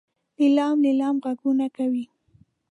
لیلام لیلام غږونه کوي.